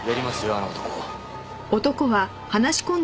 あの男。